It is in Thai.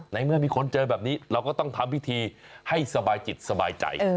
เมื่อมีคนเจอแบบนี้เราก็ต้องทำพิธีให้สบายจิตสบายใจ